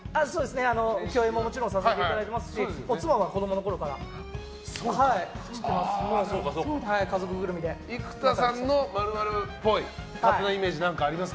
共演ももちろんさせていただいてますし妻も子供のころから知ってます。